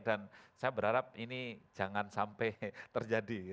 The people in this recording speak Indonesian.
dan saya berharap ini jangan sampai terjadi